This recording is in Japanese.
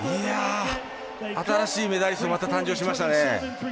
新しいメダリストがまた誕生しましたね。